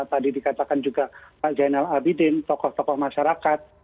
tadi dikatakan juga pak zainal abidin tokoh tokoh masyarakat